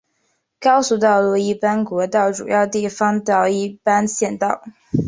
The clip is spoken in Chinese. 高速道路一般国道主要地方道一般县道